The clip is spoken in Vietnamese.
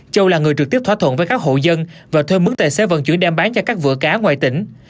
châu là người trực tiếp thỏa thuận với các hộ dân và thuê mứng tài xế vận chuyển đem bán cho các vựa cá ngoài tỉnh